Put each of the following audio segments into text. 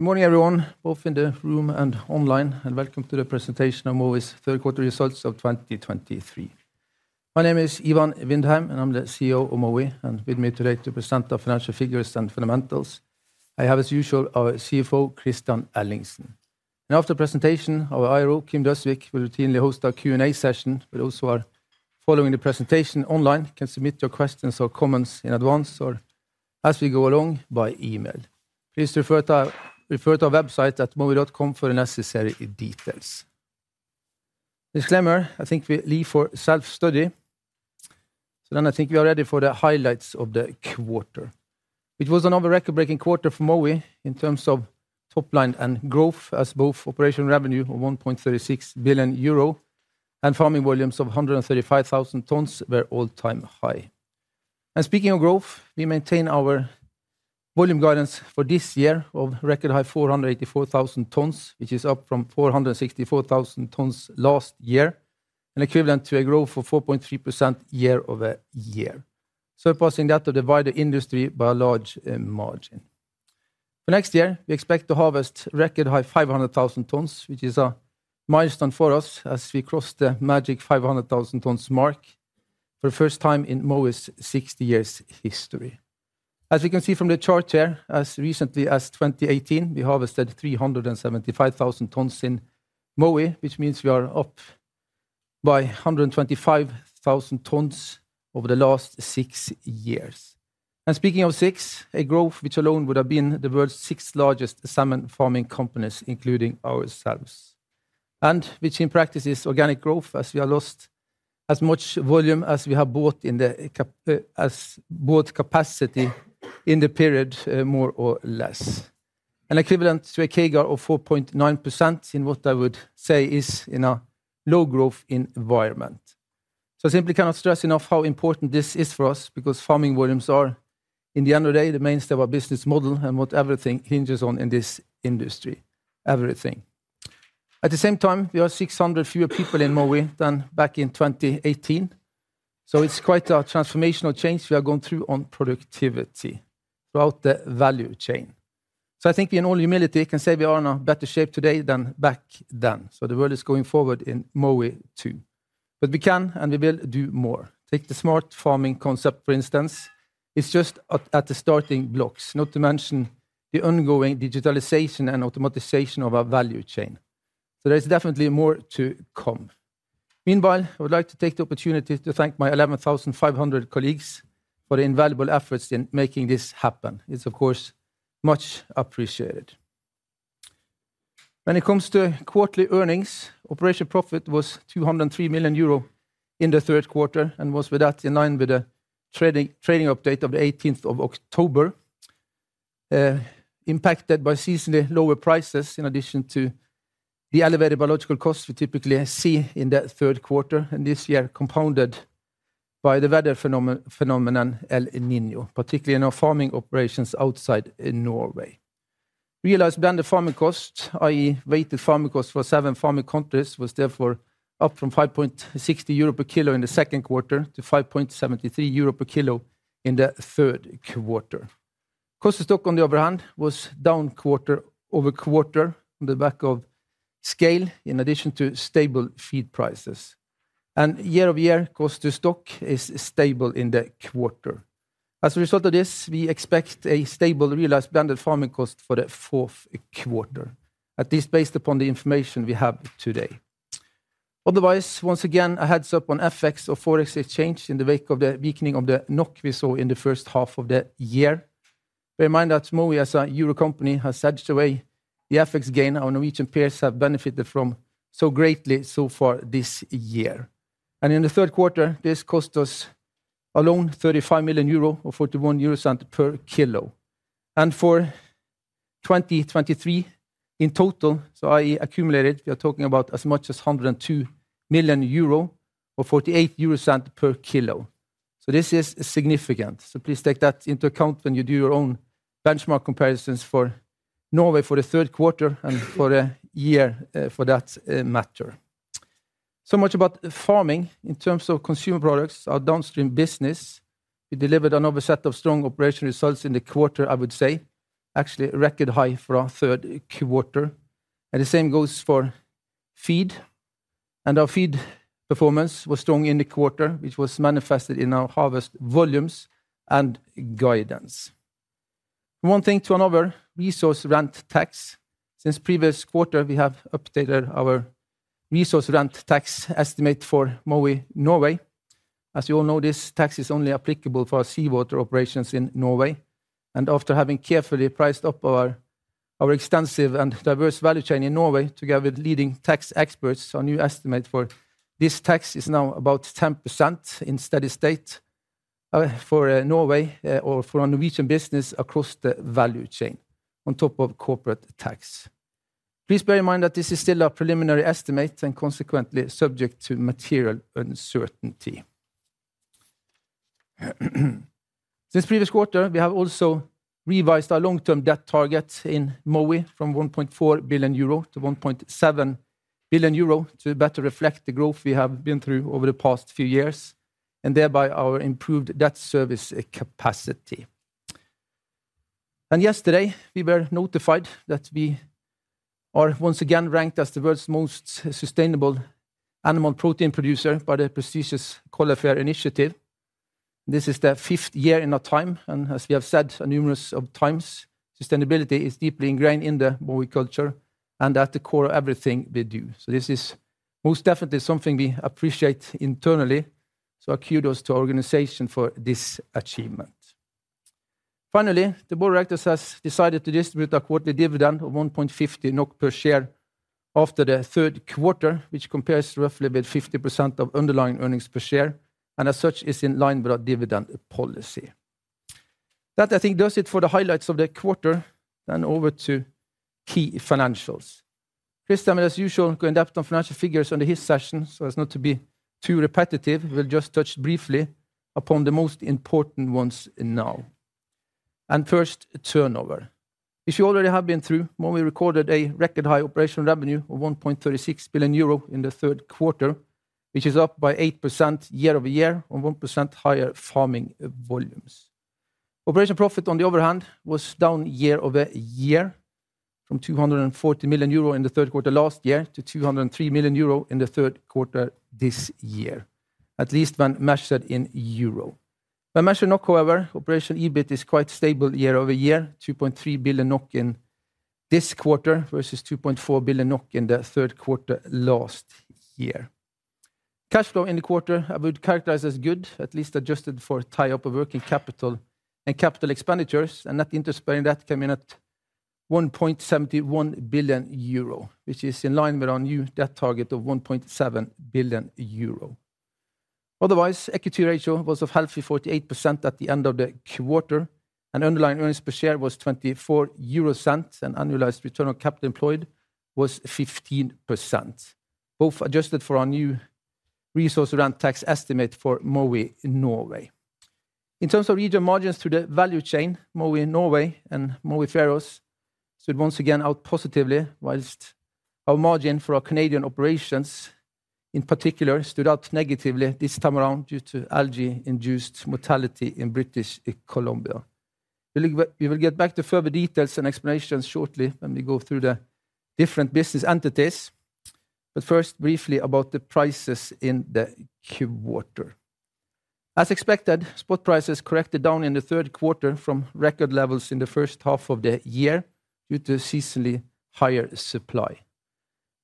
Good morning, everyone, both in the room and online, and welcome to the presentation of Mowi's third quarter results of 2023. My name is Ivan Vindheim, and I'm the CEO of Mowi, and with me today to present our financial figures and fundamentals, I have, as usual, our CFO, Kristian Ellingsen. After presentation, our IRO, Kim Døsvig, will routinely host our Q&A session, but those who are following the presentation online can submit your questions or comments in advance or as we go along by email. Please refer to our website at mowi.com for the necessary details. Disclaimer, I think we leave for self-study. Then I think we are ready for the highlights of the quarter, which was another record-breaking quarter for Mowi in terms of top line and growth, as both operational revenue of 1.36 billion euro and farming volumes of 135,000 tons were all-time high. Speaking of growth, we maintain our volume guidance for this year of record high 484,000 tons, which is up from 464,000 tons last year and equivalent to a growth of 4.3% year-over-year, surpassing that of the wider industry by a large margin. For next year, we expect to harvest record high 500,000 tons, which is a milestone for us as we cross the magic 500,000 tons mark for the first time in Mowi's 60 years history. As you can see from the chart here, as recently as 2018, we harvested 375,000 tons in Mowi, which means we are up by 125,000 tons over the last six years. Speaking of six, a growth which alone would have been the world's 6th largest salmon farming companies, including ourselves, and which in practice is organic growth as we have lost as much volume as we have bought in the cap- as bought capacity in the period, more or less. An equivalent to a CAGR of 4.9% in what I would say is in a low-growth environment. So I simply cannot stress enough how important this is for us, because farming volumes are, in the end of the day, the mainstay of our business model and what everything hinges on in this industry. Everything. At the same time, we are 600 fewer people in Mowi than back in 2018, so it's quite a transformational change we are going through on productivity throughout the value chain. So I think in all humility, I can say we are in a better shape today than back then. So the world is going forward in Mowi, too. But we can, and we will do more. Take the smart farming concept, for instance. It's just at the starting blocks, not to mention the ongoing digitalization and automatization of our value chain. So there is definitely more to come. Meanwhile, I would like to take the opportunity to thank my 11,500 colleagues for their invaluable efforts in making this happen. It's, of course, much appreciated. When it comes to quarterly earnings, operating profit was 203 million euro in the third quarter and was with that in line with the trading update of the 18th of October, impacted by seasonally lower prices in addition to the elevated biological costs we typically see in that third quarter, and this year, compounded by the weather phenomenon El Niño, particularly in our farming operations outside in Norway. Realized blended farming cost, i.e., weighted farming cost for seven farming countries, was therefore up from 5.60 euro per kilo in the second quarter to 5.73 euro per kilo in the third quarter. Cost of stock, on the other hand, was down quarter-over-quarter on the back of scale, in addition to stable feed prices. Year-over-year, cost to stock is stable in the quarter. As a result of this, we expect a stable, realized blended farming cost for the fourth quarter, at least based upon the information we have today. Otherwise, once again, a heads-up on FX or foreign exchange in the wake of the weakening of the NOK we saw in the first half of the year. Bear in mind that Mowi, as a Euro company, has edged away the FX gain our Norwegian peers have benefited from so greatly so far this year. And in the third quarter, this cost us alone 35 million euro or 0.41 EUR per kilo. And for 2023 in total, so I accumulated, we are talking about as much as 102 million euro or 0.48 EUR per kilo. So this is significant. So please take that into account when you do your own benchmark comparisons for Norway for the third quarter and for the year, for that matter. So much about farming. In terms of consumer products, our downstream business, we delivered another set of strong operational results in the quarter, I would say. Actually, record high for our third quarter, and the same goes for feed. And our feed performance was strong in the quarter, which was manifested in our harvest volumes and guidance. From one thing to another, resource rent tax. Since previous quarter, we have updated our resource rent tax estimate for Mowi, Norway. As you all know this tax is only applicable for our seawater operations in Norway, and after having carefully priced up our, our extensive and diverse value chain in Norway, together with leading tax experts, our new estimate for this tax is now about 10% in steady state, for Norway or for our Norwegian business across the value chain, on top of corporate tax. Please bear in mind that this is still a preliminary estimate and consequently subject to material uncertainty. Since previous quarter, we have also revised our long-term debt target in Mowi from 1.4 billion euro to 1.7 billion euro to better reflect the growth we have been through over the past few years, and thereby our improved debt service capacity. Yesterday, we were notified that we are once again ranked as the world's most sustainable animal protein producer by the prestigious Coller FAIRR Initiative. This is the fifth year in a row, and as we have said numerous times, sustainability is deeply ingrained in the Mowi culture and at the core of everything we do. So this is most definitely something we appreciate internally, so kudos to our organization for this achievement. Finally, the board of directors has decided to distribute a quarterly dividend of 1.50 NOK per share after the third quarter, which compares roughly with 50% of underlying earnings per share, and as such, is in line with our dividend policy. That, I think, does it for the highlights of the quarter, then over to key financials. This time, as usual, go in-depth on financial figures under his session, so as not to be too repetitive, we'll just touch briefly upon the most important ones now. First, turnover. If you already have been through, Mowi recorded a record high operational revenue of 1.36 billion euro in the third quarter, which is up by 8% year-over-year, on 1% higher farming volumes. Operational profit, on the other hand, was down year-over-year from 240 million euro in the third quarter last year to 203 million euro in the third quarter this year, at least when measured in euro. By measured NOK, however, operational EBIT is quite stable year-over-year, 2.3 billion NOK in this quarter versus 2.4 billion NOK in the third quarter last year. Cash flow in the quarter, I would characterize as good, at least adjusted for tie-up of working capital and capital expenditures, and that interest-bearing debt came in at 1.71 billion euro, which is in line with our new debt target of 1.7 billion euro. Otherwise, equity ratio was a healthy 48% at the end of the quarter, and underlying earnings per share was 0.24, and annualized return on capital employed was 15%, both adjusted for our new resource rent tax estimate for Mowi in Norway. In terms of regional margins to the value chain, Mowi in Norway and Mowi Faroes stood once again out positively, while our margin for our Canadian operations, in particular, stood out negatively this time around due to algae-induced mortality in British Columbia. We will, we will get back to further details and explanations shortly when we go through the different business entities. But first, briefly about the prices in the quarter. As expected, spot prices corrected down in the third quarter from record levels in the first half of the year due to seasonally higher supply.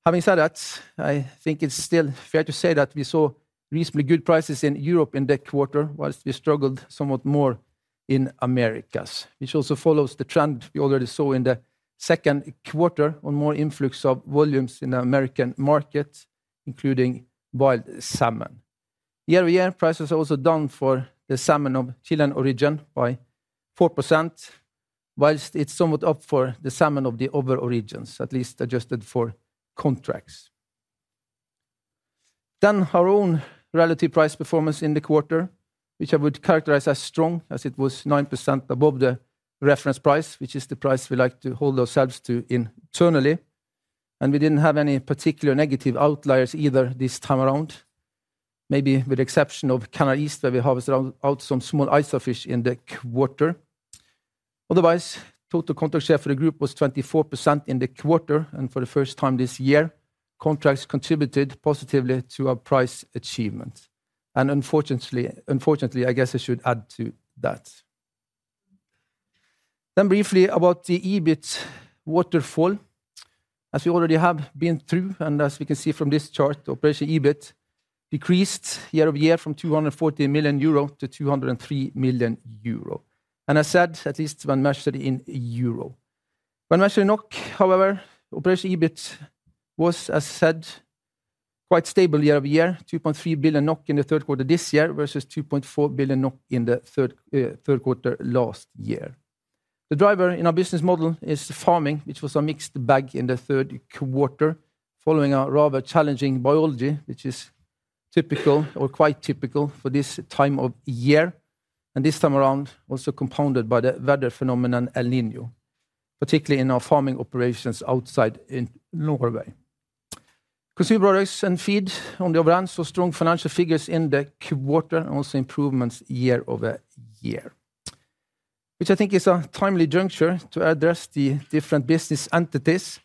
Having said that, I think it's still fair to say that we saw reasonably good prices in Europe in that quarter, whilst we struggled somewhat more in Americas, which also follows the trend we already saw in the second quarter on more influx of volumes in the American market, including wild salmon. Year-over-year, prices are also down for the salmon of Chilean origin by 4%, whilst it's somewhat up for the salmon of the other origins, at least adjusted for contracts. Then our own relative price performance in the quarter, which I would characterize as strong as it was 9% above the reference price, which is the price we like to hold ourselves to internally. And we didn't have any particular negative outliers either this time around. Maybe with the exception of Canada East, where we harvested out some small ISA fish in the quarter. Otherwise, total contract share for the group was 24% in the quarter, and for the first time this year, contracts contributed positively to our price achievement. And unfortunately, unfortunately, I guess I should add to that. Then briefly about the EBIT waterfall. As we already have been through, and as we can see from this chart, operation EBIT decreased year-over-year from 240 million-203 million euro, and as said, at least when measured in euro. When measured in NOK, however, operating EBIT was, as said, quite stable year-over-year, 2.3 billion NOK in the third quarter this year versus 2.4 billion NOK in the third quarter last year. The driver in our business model is farming, which was a mixed bag in the third quarter, following a rather challenging biology, which is typical or quite typical for this time of year, and this time around, also compounded by the weather phenomenon, El Niño, particularly in our farming operations outside in Norway. Consumer Products and Feed on the other end, saw strong financial figures in the quarter and also improvements year-over-year, which I think is a timely juncture to address the different business entities.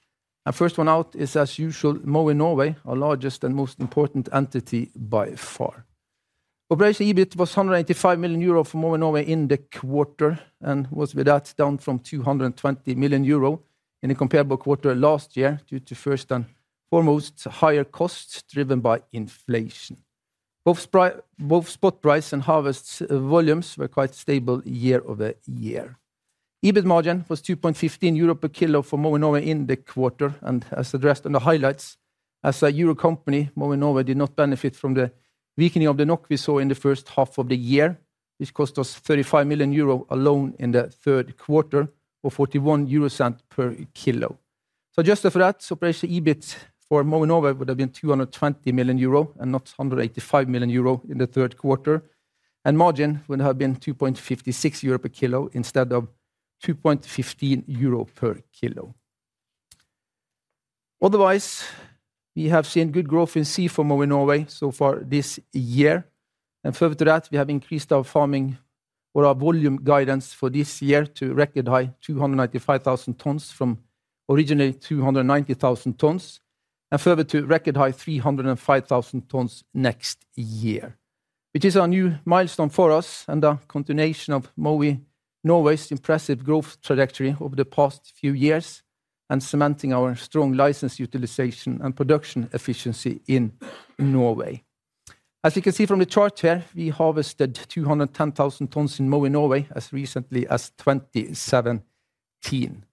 First one out is, as usual, Mowi Norway, our largest and most important entity by far. Operation EBIT was 185 million euro for Mowi Norway in the quarter, and was with that down from 220 million euro in the comparable quarter last year, due to first and foremost, higher costs driven by inflation. Both spot price and harvest volumes were quite stable year-over-year. EBIT margin was 2.15 euro per kilo for Mowi Norway in the quarter, and as addressed on the highlights, as a Euro company, Mowi Norway did not benefit from the weakening of the NOK we saw in the first half of the year, which cost us 35 million euro alone in the third quarter, or 0.41 per kilo. So adjusted for that, operation EBIT for Mowi Norway would have been 220 million euro and not 185 million euro in the third quarter, and margin would have been 2.56 euro per kilo instead of 2.15 euro per kilo. Otherwise, we have seen good growth in seafood Mowi Norway so far this year. And further to that, we have increased our farming or our volume guidance for this year to a record high 295,000 tons from originally 290,000 tons, and further to a record high 305,000 tons next year. Which is a new milestone for us and a continuation of Mowi Norway's impressive growth trajectory over the past few years, and cementing our strong license utilization and production efficiency in Norway. As you can see from the chart here, we harvested 210,000 tons in Mowi Norway as recently as 2017.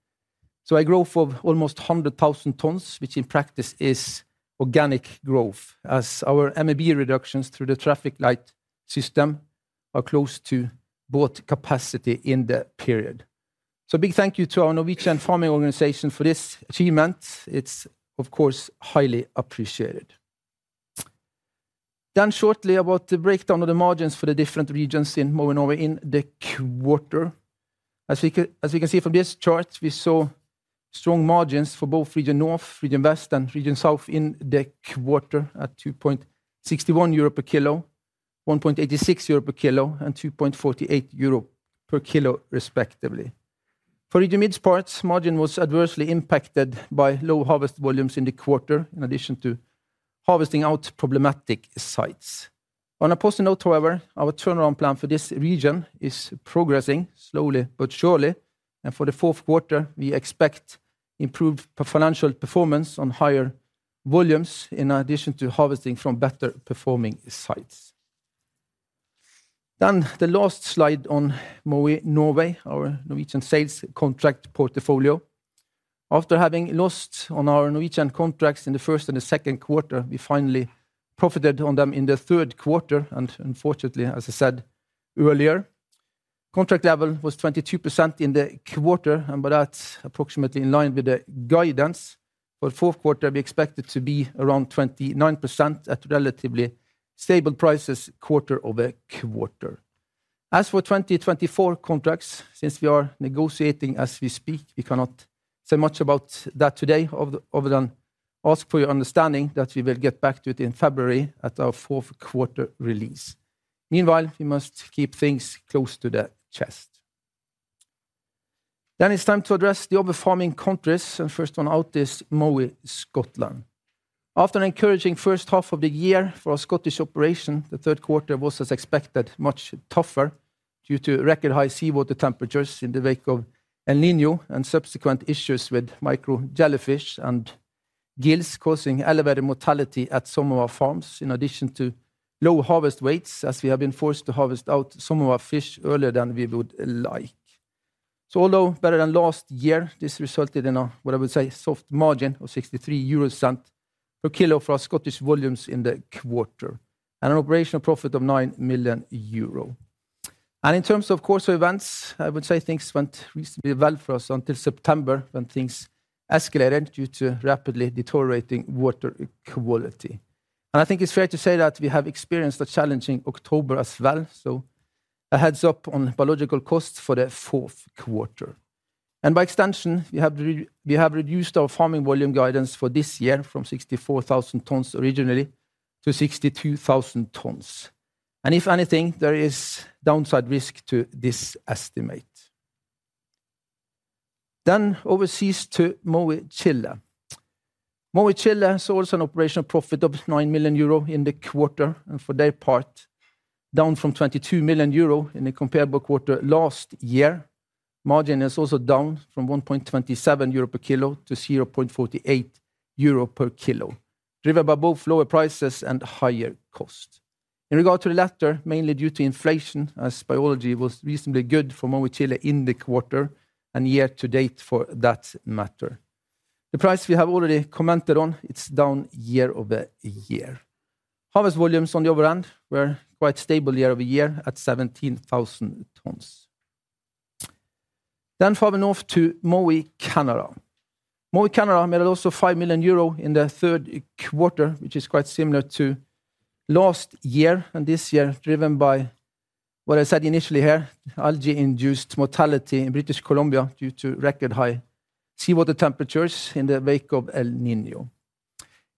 A growth of almost 100,000 tons, which in practice is organic growth, as our MAB reductions through the traffic light system are close to both capacity in the period. A big thank you to our Norwegian farming organization for this achievement. It's, of course, highly appreciated. Shortly about the breakdown of the margins for the different regions in Mowi Norway in the quarter. As you can see from this chart, we saw strong margins for both Region North, Region West, and Region South in the quarter at 2.61 euro per kilo, 1.86 euro per kilo, and 2.48 euro per kilo, respectively. For the Mowi's parts, margin was adversely impacted by low harvest volumes in the quarter, in addition to harvesting out problematic sites. On a positive note, however, our turnaround plan for this region is progressing slowly but surely, and for the fourth quarter, we expect improved financial performance on higher volumes, in addition to harvesting from better-performing sites. The last slide on Mowi Norway, our Norwegian sales contract portfolio. After having lost on our Norwegian contracts in the first and the second quarter, we finally profited on them in the third quarter, and unfortunately, as I said earlier, contract level was 22% in the quarter, and but that's approximately in line with the guidance. For the fourth quarter, we expect it to be around 29% at relatively stable prices quarter-over-quarter. As for 2024 contracts, since we are negotiating as we speak, we cannot say much about that today, other than ask for your understanding that we will get back to it in February at our fourth quarter release. Meanwhile, we must keep things close to the chest. Then it's time to address the other farming countries, and first one out is Mowi Scotland. After an encouraging first half of the year for our Scottish operation, the third quarter was, as expected, much tougher due to record high seawater temperatures in the wake of El Niño and subsequent issues with micro jellyfish and gills, causing elevated mortality at some of our farms, in addition to low harvest weights, as we have been forced to harvest out some of our fish earlier than we would like. So although better than last year, this resulted in a, what I would say, soft margin of 0.63 per kilo for our Scottish volumes in the quarter, and an operational profit of 9 million euro. And in terms of course of events, I would say things went reasonably well for us until September, when things escalated due to rapidly deteriorating water quality. And I think it's fair to say that we have experienced a challenging October as well, so a heads-up on biological costs for the fourth quarter. And by extension, we have reduced our farming volume guidance for this year from 64,000 tons originally to 62,000 tons. And if anything, there is downside risk to this estimate. Then overseas to Mowi Chile. Mowi Chile saw also an operational profit of 9 million euro in the quarter, and for their part, down from 22 million euro in the comparable quarter last year. Margin is also down from 1.27 euro per kilo to 0.48 euro per kilo, driven by both lower prices and higher cost. In regard to the latter, mainly due to inflation, as biology was reasonably good for Mowi Chile in the quarter and year to date for that matter. The price we have already commented on, it's down year-over-year. Harvest volumes on the other hand, were quite stable year-over-year at 17,000 tons. Then moving off to Mowi Canada. Mowi Canada made also 5 million euro in the third quarter, which is quite similar to last year and this year, driven by what I said initially here, algae-induced mortality in British Columbia due to record high seawater temperatures in the wake of El Niño.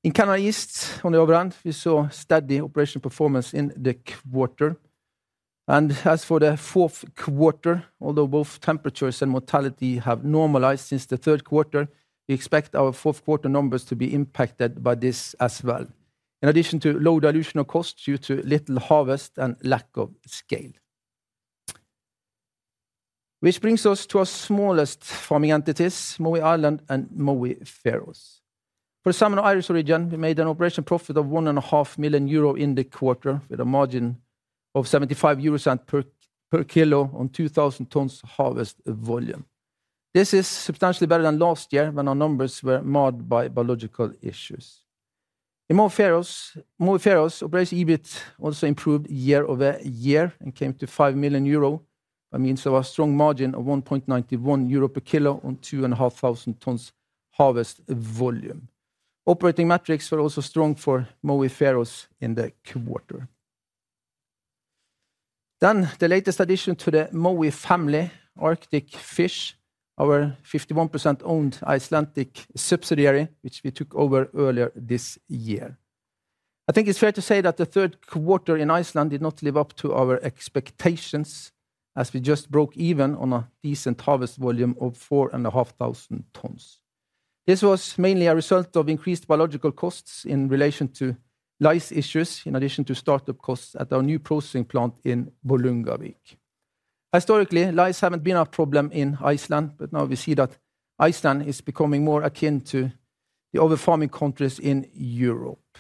In Canada East, on the other hand, we saw steady operation performance in the quarter. As for the fourth quarter, although both temperatures and mortality have normalized since the third quarter, we expect our fourth quarter numbers to be impacted by this as well, in addition to low dilutional costs due to little harvest and lack of scale, which brings us to our smallest farming entities, Mowi Ireland and Mowi Faroes. For Mowi Ireland, we made an operating profit of 1.5 million euro in the quarter, with a margin of 0.75 per kilo on 2,000 tons harvest volume. This is substantially better than last year, when our numbers were marred by biological issues. In Mowi Faroe Islands, operating EBIT also improved year-over-year and came to 5 million euro, by means of a strong margin of 1.91 euro per kilo on 2,500 tons harvest volume. Operating metrics were also strong for Mowi Faroe Islands in the quarter.... Then the latest addition to the Mowi family, Arctic Fish, our 51% owned Icelandic subsidiary, which we took over earlier this year. I think it's fair to say that the third quarter in Iceland did not live up to our expectations, as we just broke even on a decent harvest volume of 4,500 tons. This was mainly a result of increased biological costs in relation to lice issues, in addition to startup costs at our new processing plant in Bolungarvík. Historically, lice haven't been a problem in Iceland, but now we see that Iceland is becoming more akin to the other farming countries in Europe.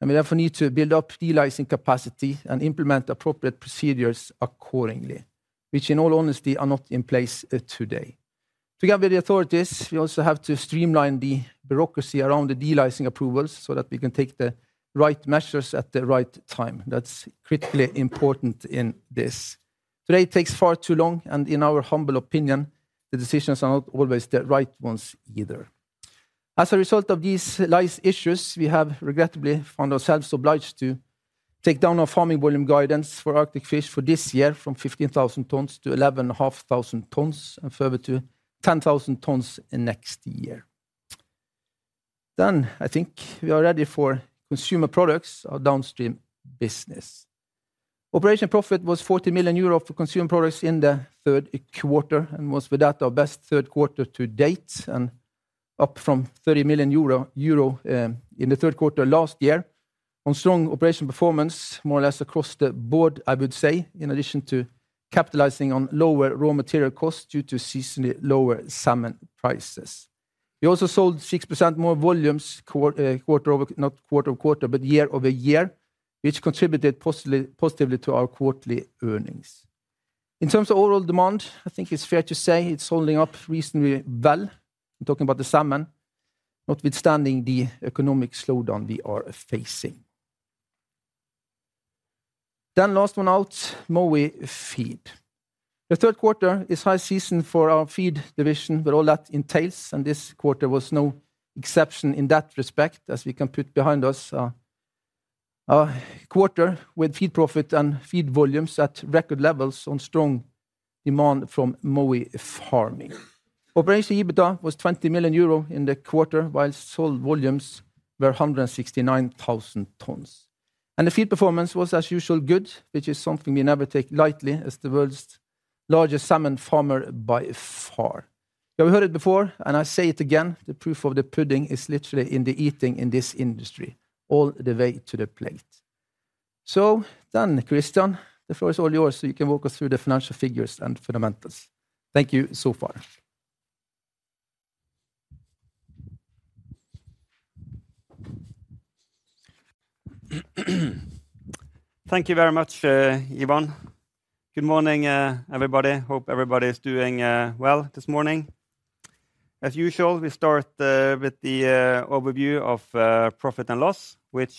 We therefore need to build up delicing capacity and implement appropriate procedures accordingly, which, in all honesty, are not in place today. Together with the authorities, we also have to streamline the bureaucracy around the delicing approvals so that we can take the right measures at the right time. That's critically important in this. Today, it takes far too long, and in our humble opinion, the decisions are not always the right ones either. As a result of these lice issues, we have regrettably found ourselves obliged to take down our farming volume guidance for Arctic Fish for this year from 15,000 tons to 11,500 tons, and further to 10,000 tons in next year. Then I think we are ready for consumer products, our downstream business. Operating profit was 40 million euro for consumer products in the third quarter, and was for that our best third quarter to date, and up from 30 million euro in the third quarter last year. On strong operation performance, more or less across the board, I would say, in addition to capitalizing on lower raw material costs due to seasonally lower salmon prices. We also sold 6% more volumes—not quarter-over-quarter, but year-over-year, which contributed positively, positively to our quarterly earnings. In terms of overall demand, I think it's fair to say it's holding up reasonably well, I'm talking about the salmon, notwithstanding the economic slowdown we are facing. Then last one out, Mowi Feed. The third quarter is high season for our feed division, with all that entails, and this quarter was no exception in that respect, as we can put behind us a quarter with feed profit and feed volumes at record levels on strong demand from Mowi farming. Operating EBITDA was 20 million euro in the quarter, while sold volumes were 169,000 tons. And the feed performance was, as usual, good, which is something we never take lightly as the world's largest salmon farmer by far. You have heard it before, and I say it again, the proof of the pudding is literally in the eating in this industry, all the way to the plate. So then, Kristian, the floor is all yours, so you can walk us through the financial figures and fundamentals. Thank you so far. Thank you very much, Ivan. Good morning, everybody. Hope everybody is doing well this morning. As usual, we start with the overview of profit and loss, which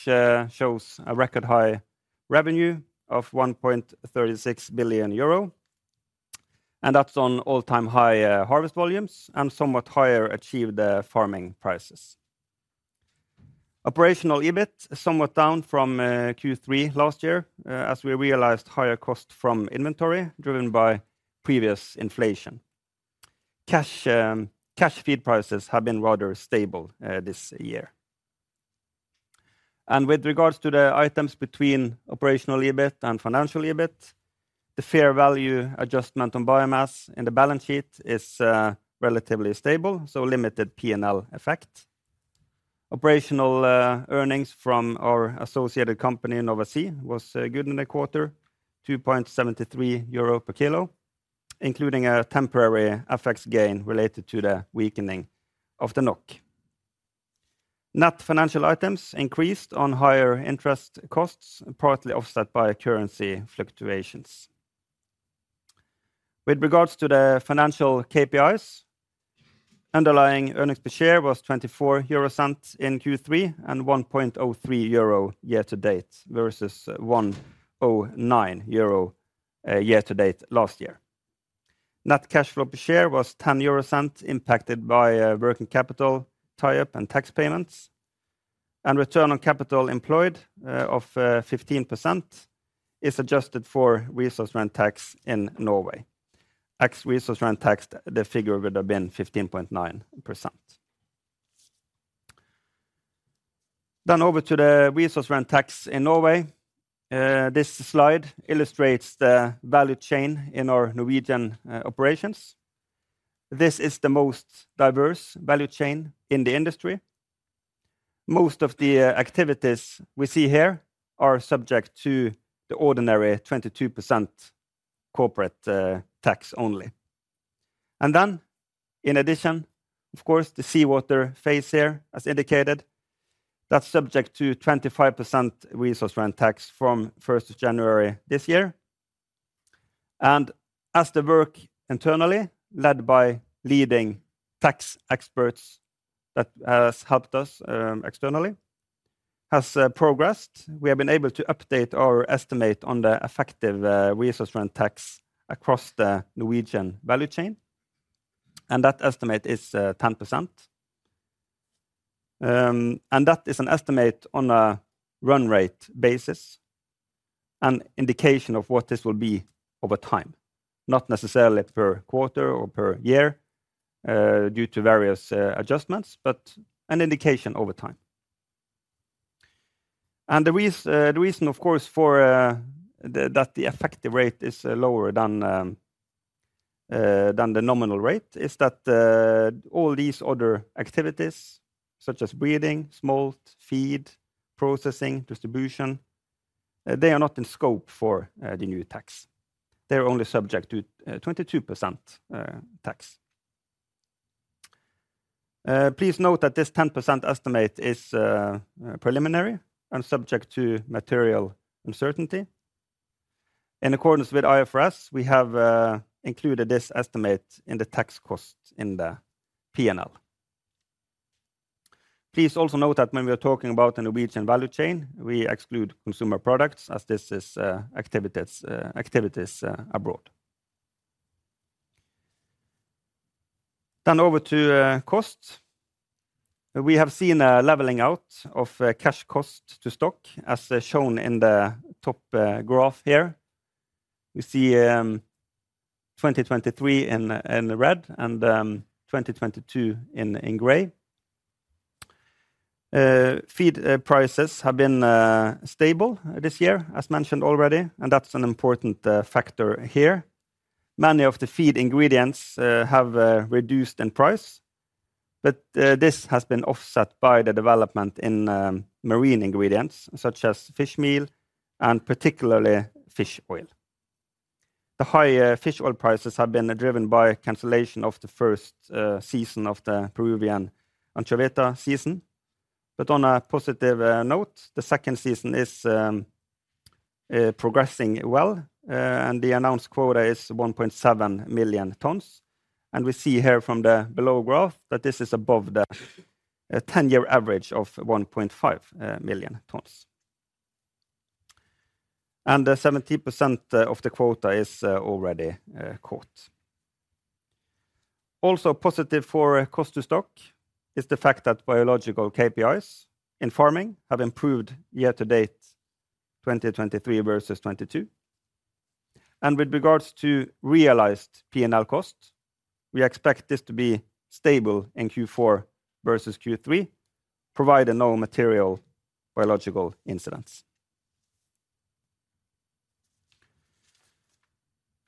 shows a record high revenue of 1.36 billion euro, and that's on all-time high harvest volumes and somewhat higher achieved farming prices. Operational EBIT is somewhat down from Q3 last year, as we realized higher cost from inventory driven by previous inflation. Cash cash feed prices have been rather stable this year. And with regards to the items between operational EBIT and financial EBIT, the fair value adjustment on biomass in the balance sheet is relatively stable, so limited P&L effect. Operational earnings from our associated company, Nova Sea, was good in the quarter, 2.73 euro per kilo, including a temporary FX gain related to the weakening of the NOK. Net financial items increased on higher interest costs, partly offset by currency fluctuations. With regards to the financial KPIs, underlying earnings per share was 0.24 EUR in Q3 and 1.03 euro year to date, versus 1.09 euro year to date last year. Net cash flow per share was 0.10 EUR, impacted by working capital tie-up and tax payments. Return on capital employed of 15% is adjusted for resource rent tax in Norway. Ex resource rent tax, the figure would have been 15.9%. Then over to the resource rent tax in Norway. This slide illustrates the value chain in our Norwegian operations. This is the most diverse value chain in the industry. Most of the activities we see here are subject to the ordinary 22% corporate tax only. And then, in addition, of course, the seawater phase here, as indicated, that's subject to 25% resource rent tax from first of January this year. And as the work internally, led by leading tax experts that has helped us externally, has progressed, we have been able to update our estimate on the effective resource rent tax across the Norwegian value chain, and that estimate is 10%. That is an estimate on a run rate basis, an indication of what this will be over time, not necessarily per quarter or per year, due to various adjustments, but an indication over time. The reason, of course, for that the effective rate is lower than the nominal rate, is that all these other activities, such as breeding, smolt, feed, processing, distribution, they are not in scope for the new tax. They are only subject to 22% tax. Please note that this 10% estimate is preliminary and subject to material uncertainty. In accordance with IFRS, we have included this estimate in the tax cost in the P&L. Please also note that when we are talking about the Norwegian value chain, we exclude consumer products as this is activities abroad. Then over to costs. We have seen a leveling out of cash cost to stock, as shown in the top graph here. We see 2023 in red and 2022 in gray. Feed prices have been stable this year, as mentioned already, and that's an important factor here. Many of the feed ingredients have reduced in price, but this has been offset by the development in marine ingredients such as fish meal, and particularly fish oil. The high fish oil prices have been driven by cancellation of the first season of the Peruvian anchoveta season. But on a positive note, the second season is progressing well, and the announced quota is 1.7 million tons. We see here from the below graph that this is above the ten-year average of 1.5 million tons. Seventy percent of the quota is already caught. Also positive for cost to stock is the fact that biological KPIs in farming have improved year to date, 2023 versus 2022. With regards to realized P&L costs, we expect this to be stable in Q4 versus Q3, provided no material biological incidents.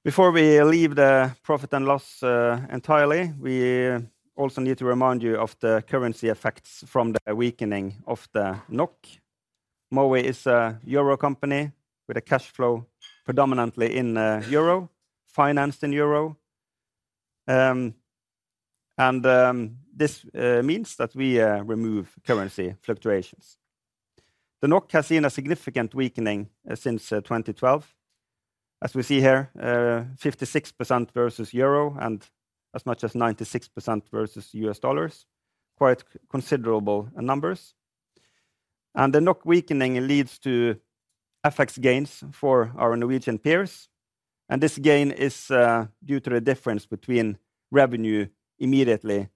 Before we leave the profit and loss entirely, we also need to remind you of the currency effects from the weakening of the NOK. Mowi is a euro company with a cash flow predominantly in euro, financed in euro. This means that we remove currency fluctuations. The NOK has seen a significant weakening since 2012. As we see here, 56% versus euro and as much as 96% versus U.S. dollars. Quite considerable numbers. The NOK weakening leads to FX gains for our Norwegian peers, and this gain is due to the difference between revenue immediately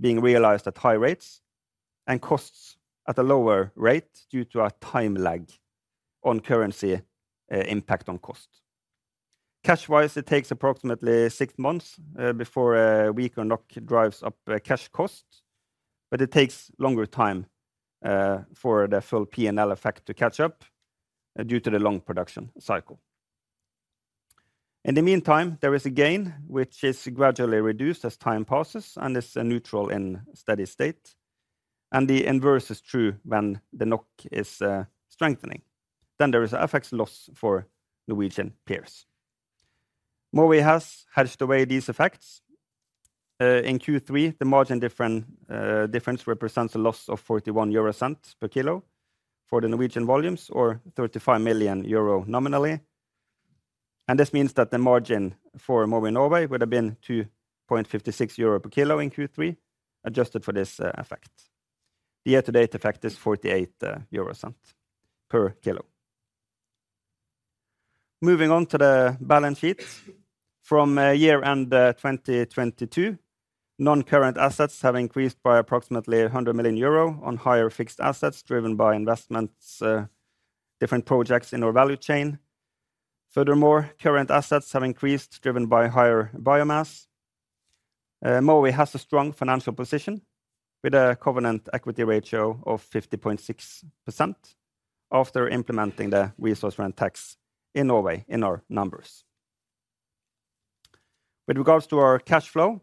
being realized at high rates and costs at a lower rate due to a time lag on currency impact on cost. Cash-wise, it takes approximately six months before a weaker NOK drives up cash costs, but it takes longer time for the full P&L effect to catch up due to the long production cycle. In the meantime, there is a gain, which is gradually reduced as time passes and is neutral in steady state, and the inverse is true when the NOK is strengthening, then there is a FX loss for Norwegian peers. Mowi has hedged away these effects. In Q3, the margin difference represents a loss of 0.41 per kilo for the Norwegian volumes or 35 million euro nominally. And this means that the margin for Mowi Norway would have been 2.56 euro per kilo in Q3, adjusted for this effect. The year-to-date effect is 0.48 per kilo. Moving on to the balance sheet. From year-end 2022, non-current assets have increased by approximately 100 million euro on higher fixed assets driven by investments, different projects in our value chain. Furthermore, current assets have increased, driven by higher biomass. Mowi has a strong financial position, with a covenant equity ratio of 50.6% after implementing the resource rent tax in Norway in our numbers. With regards to our cash flow,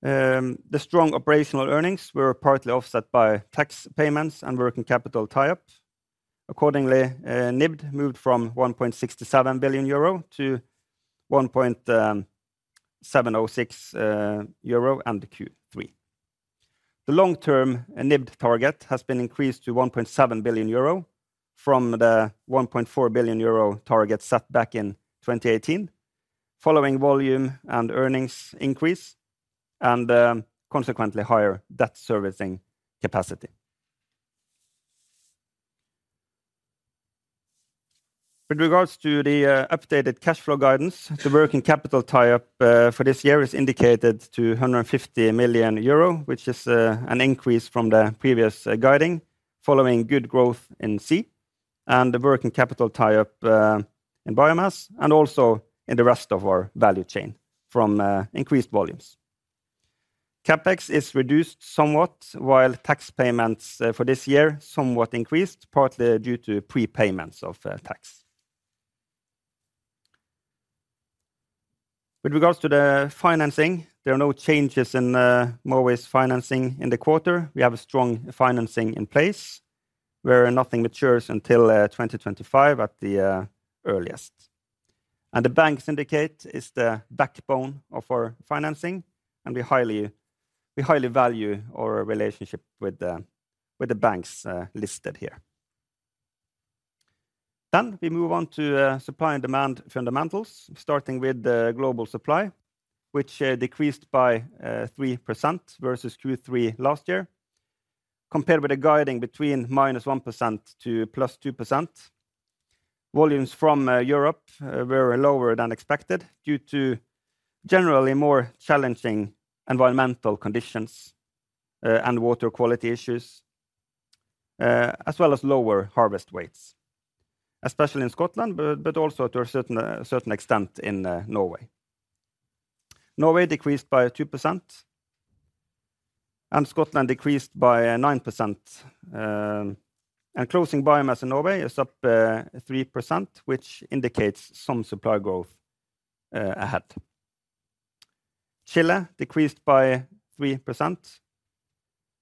the strong operational earnings were partly offset by tax payments and working capital tie-ups. Accordingly, NIBD moved from 1.67 billion-1.706 billion euro under Q3. The long-term NIBD target has been increased to 1.7 billion euro from the 1.4 billion euro target set back in 2018, following volume and earnings increase and, consequently, higher debt servicing capacity. With regards to the updated cash flow guidance, the working capital tie-up for this year is indicated to 150 million euro, which is an increase from the previous guiding, following good growth in sea and the working capital tie-up in biomass, and also in the rest of our value chain from increased volumes. CapEx is reduced somewhat, while tax payments for this year somewhat increased, partly due to prepayments of tax. With regards to the financing, there are no changes in Mowi's financing in the quarter. We have a strong financing in place, where nothing matures until 2025, at the earliest. And the bank syndicate is the backbone of our financing, and we highly value our relationship with the banks listed here. Then we move on to supply and demand fundamentals, starting with the global supply, which decreased by 3% versus Q3 last year, compared with the guiding between -1% to +2%. Volumes from Europe were lower than expected due to generally more challenging environmental conditions and water quality issues, as well as lower harvest weights, especially in Scotland, but also to a certain extent in Norway. Norway decreased by 2%, and Scotland decreased by 9%. And closing biomass in Norway is up 3%, which indicates some supply growth ahead. Chile decreased by 3%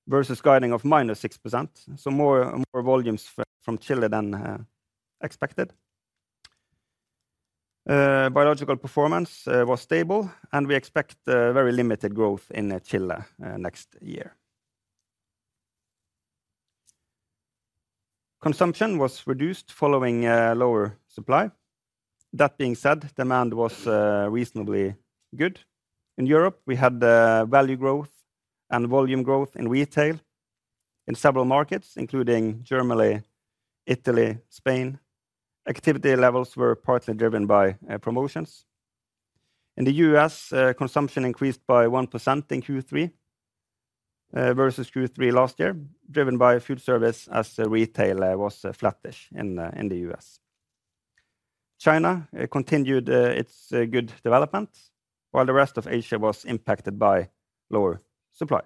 versus guiding of -6%, so more volumes from Chile than expected. Biological performance was stable, and we expect very limited growth in Chile next year. Consumption was reduced following lower supply. That being said, demand was reasonably good. In Europe, we had the value growth and volume growth in retail in several markets, including Germany, Italy, Spain. Activity levels were partly driven by promotions. In the U.S., consumption increased by 1% in Q3 versus Q3 last year, driven by food service as retail was flattish in the U.S. China continued its good development, while the rest of Asia was impacted by lower supply.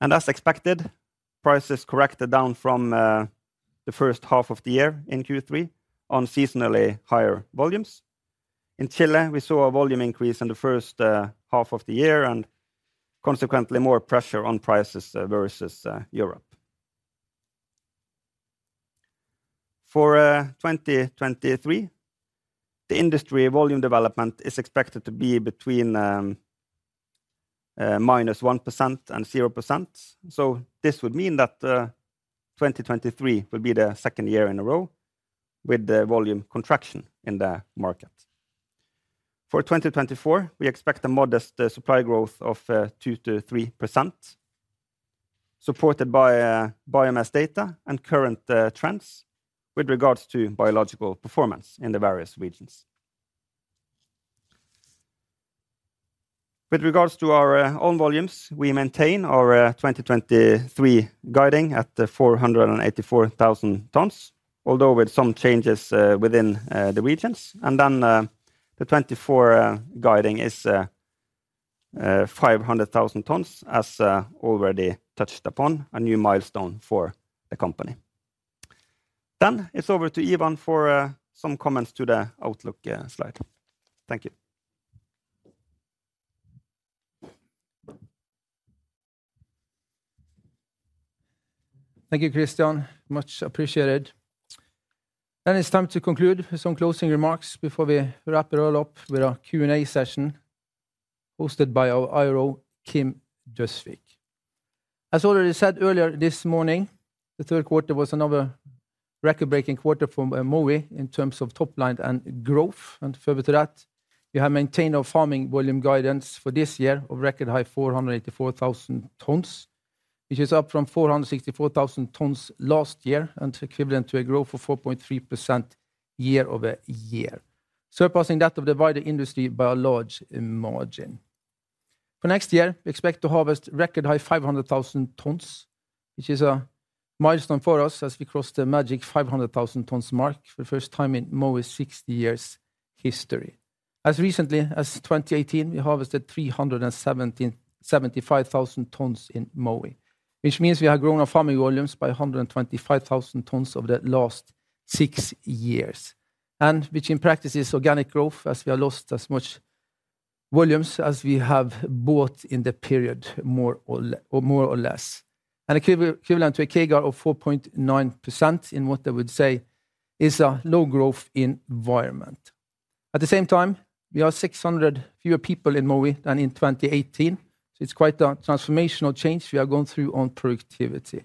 And as expected, prices corrected down from the first half of the year in Q3 on seasonally higher volumes. In Chile, we saw a volume increase in the first half of the year, and consequently more pressure on prices versus Europe. For 2023, the industry volume development is expected to be between -1% and 0%. So this would mean that 2023 will be the second year in a row with the volume contraction in the market. For 2024, we expect a modest supply growth of 2%-3%, supported by biomass data and current trends with regards to biological performance in the various regions. With regards to our own volumes, we maintain our 2023 guidance at 484,000 tons, although with some changes within the regions. And then the 2024 guidance is 500,000 tons, as already touched upon, a new milestone for the company. Then it's over to Ivan for some comments to the outlook slide. Thank you. Thank you, Kristian. Much appreciated. Then it's time to conclude with some closing remarks before we wrap it all up with a Q&A session hosted by our IR, Kim Galtung Døsvig. As already said earlier this morning, the third quarter was another record-breaking quarter for Mowi in terms of top line and growth. And further to that, we have maintained our farming volume guidance for this year of record high 484,000 tons, which is up from 464,000 tons last year, and equivalent to a growth of 4.3% year-over-year, surpassing that of the wider industry by a large margin. For next year, we expect to harvest record high 500,000 tons, which is a milestone for us as we cross the magic 500,000 tons mark for the first time in Mowi's 60 years history. As recently as 2018, we harvested 375,000 tons in Mowi, which means we have grown our farming volumes by 125,000 tons over the last six years, and which in practice is organic growth, as we have lost as much volumes as we have bought in the period, more or less, and equivalent to a CAGR of 4.9% in what I would say is a low growth environment. At the same time, we are 600 fewer people in Mowi than in 2018, so it's quite a transformational change we are going through on productivity.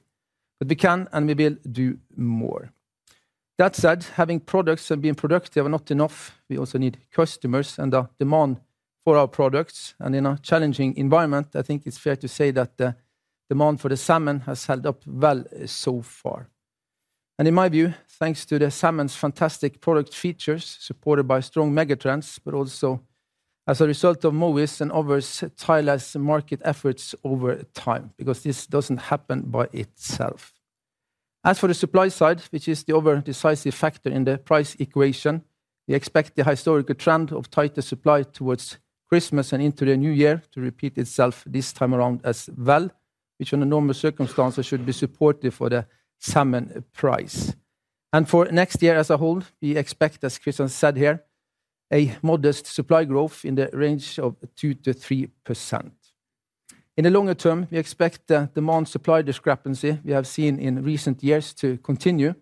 But we can and we will do more. That said, having products and being productive are not enough. We also need customers, and the demand-... for our products and in a challenging environment, I think it's fair to say that the demand for the salmon has held up well so far. And in my view, thanks to the salmon's fantastic product features, supported by strong megatrends, but also as a result of Mowi's and others' tireless market efforts over time, because this doesn't happen by itself. As for the supply side, which is the other decisive factor in the price equation, we expect the historical trend of tighter supply towards Christmas and into the new year to repeat itself this time around as well, which under normal circumstances should be supportive for the salmon price. And for next year as a whole, we expect, as Kristian said here, a modest supply growth in the range of 2%-3%. In the longer term, we expect the demand-supply discrepancy we have seen in recent years to continue,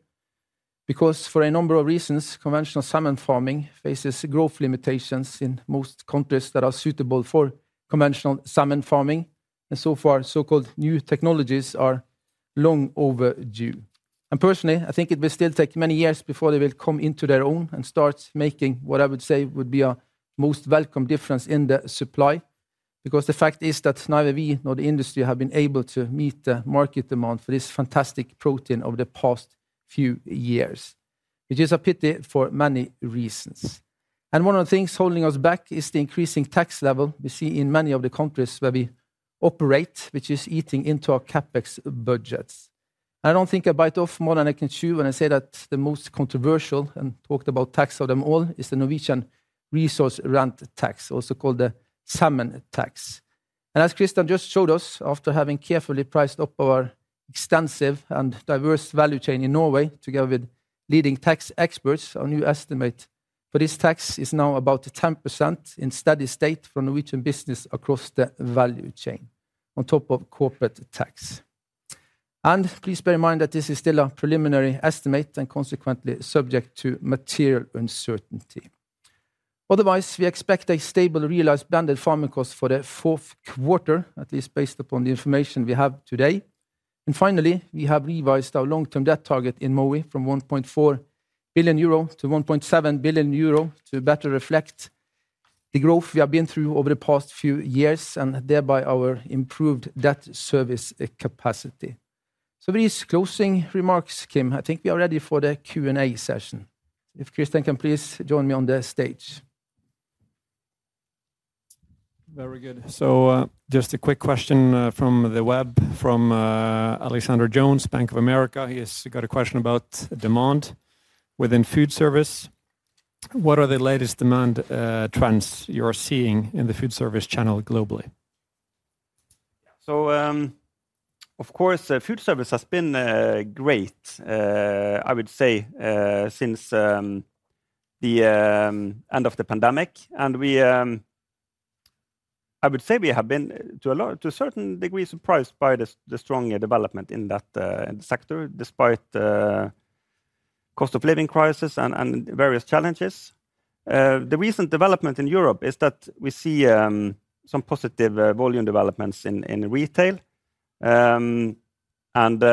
because for a number of reasons, conventional salmon farming faces growth limitations in most countries that are suitable for conventional salmon farming, and so far, so-called new technologies are long overdue. Personally, I think it will still take many years before they will come into their own and start making what I would say would be a most welcome difference in the supply, because the fact is that neither we nor the industry have been able to meet the market demand for this fantastic protein over the past few years, which is a pity for many reasons. One of the things holding us back is the increasing tax level we see in many of the countries where we operate, which is eating into our CapEx budgets. I don't think I bite off more than I can chew when I say that the most controversial and talked about tax of them all is the Norwegian resource rent tax, also called the salmon tax. As Kristian just showed us, after having carefully priced up our extensive and diverse value chain in Norway, together with leading tax experts, our new estimate for this tax is now about 10% in steady state for Norwegian business across the value chain, on top of corporate tax. Please bear in mind that this is still a preliminary estimate and consequently subject to material uncertainty. Otherwise, we expect a stable realized blended farming cost for the fourth quarter, at least based upon the information we have today. Finally, we have revised our long-term debt target in Mowi from 1.4 billion euro to 1.7 billion euro to better reflect the growth we have been through over the past few years, and thereby our improved debt service capacity. With these closing remarks, Kim, I think we are ready for the Q&A session. If Kristian can please join me on the stage. Very good. So, just a quick question, from the web, from Alexander Jones, Bank of America. He has got a question about demand within food service. What are the latest demand trends you are seeing in the food service channel globally? So, of course, food service has been great, I would say, since the end of the pandemic. We I would say we have been, to a certain degree, surprised by the strong development in that, in the sector, despite the cost of living crisis and various challenges. The recent development in Europe is that we see some positive volume developments in retail. And,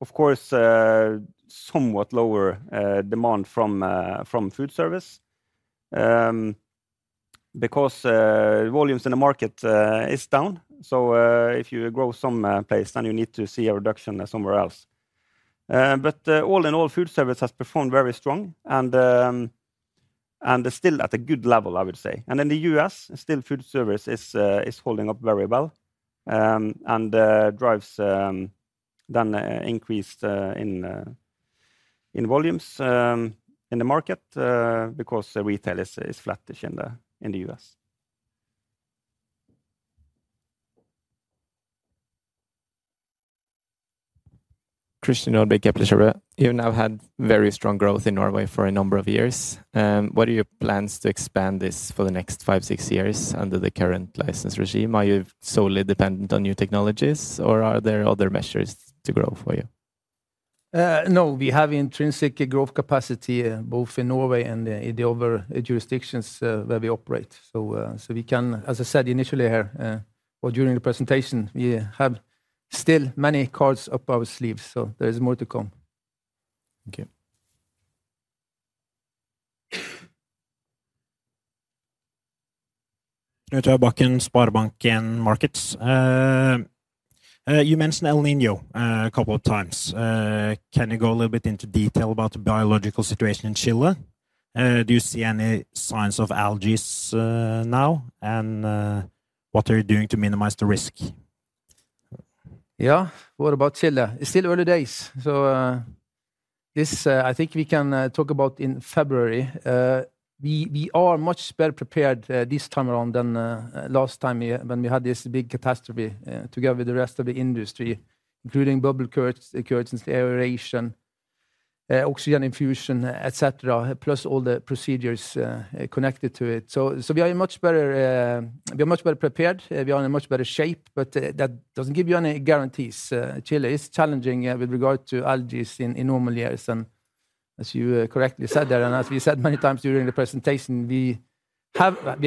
of course, somewhat lower demand from food service. Because volumes in the market is down, so if you grow some place, then you need to see a reduction somewhere else. But all in all, food service has performed very strong and is still at a good level, I would say. In the U.S., still, food service is holding up very well and drives increased volumes in the market because the retail is flattish in the U.S. Christian Nordby, Arctic Securities. You've now had very strong growth in Norway for a number of years. What are your plans to expand this for the next five to six years under the current license regime? Are you solely dependent on new technologies, or are there other measures to grow for you? No, we have intrinsic growth capacity, both in Norway and in the other jurisdictions, where we operate. So, so we can, as I said initially here, or during the presentation, we have still many cards up our sleeves, so there is more to come. Thank you. Knut Ivar Bakken, Sparebank 1 Markets. You mentioned El Niño a couple of times. Can you go a little bit into detail about the biological situation in Chile? Do you see any signs of algae now? What are you doing to minimize the risk? Yeah, what about Chile? It's still early days, so this, I think we can talk about in February. We are much better prepared this time around than last time when we had this big catastrophe together with the rest of the industry, including bubble curtains, of course, aeration, oxygen infusion, et cetera, plus all the procedures connected to it. So we are in much better... We are much better prepared. We are in a much better shape, but that doesn't give you any guarantees. Chile is challenging with regard to algae in normal years, and as you correctly said there, and as we said many times during the presentation, we're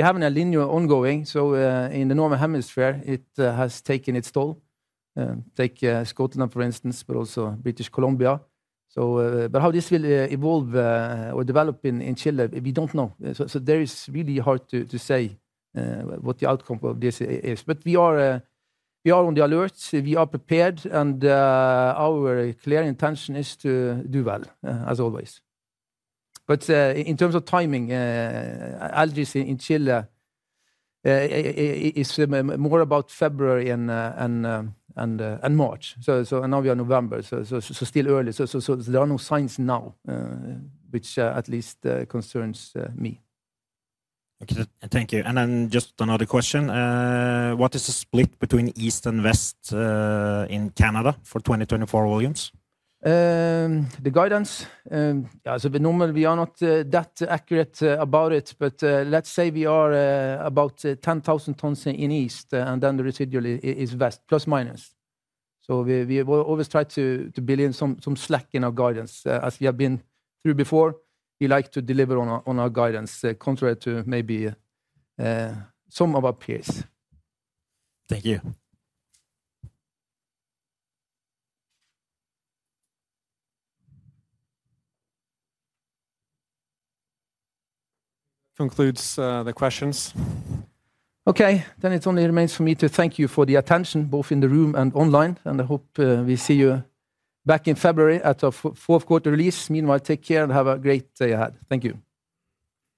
having El Niño ongoing, so in the northern hemisphere, it has taken its toll. Take Scotland, for instance, but also British Columbia. But how this will evolve or develop in Chile, we don't know. So that is really hard to say what the outcome of this is. But we are on the alert, we are prepared, and our clear intention is to do well as always. But in terms of timing, algae in Chile is more about February and March. And now we are November, so still early. So there are no signs now, which at least concerns me. Okay, thank you. And then just another question: What is the split between east and west, in Canada for 2024 volumes? The guidance? Yeah, so the normal, we are not that accurate about it, but let's say we are about 10,000 tons in east, and then the residual is west, plus, minus. So we always try to build in some slack in our guidance. As we have been through before, we like to deliver on our guidance, contrary to maybe some of our peers. Thank you. Concludes the questions. Okay, then it only remains for me to thank you for the attention, both in the room and online, and I hope we see you back in February at our fourth quarter release. Meanwhile, take care and have a great day ahead. Thank you.